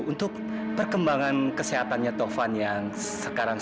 untuk perkembangan kesehatannya taufan yang sekarang semangat